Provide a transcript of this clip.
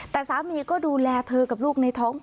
แต่สามีก็ดูแลเธอกับลูกในท้อง